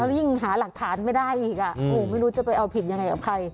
ยิ่งหาหลักฐานไม่ได้อีกไม่รู้จะไปเอาผิดยังไงกับใคร